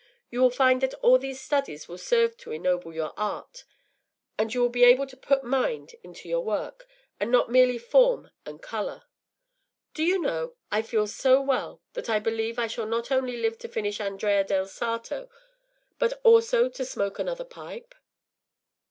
You will find that all these studies will serve to ennoble your art, and you will be able to put mind into your work, and not merely form and colour. Do you know, I feel so well that I believe I shall not only live to finish Andrea del Sarto, but also to smoke another pipe?